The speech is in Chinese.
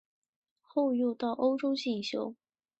后又到欧洲进修。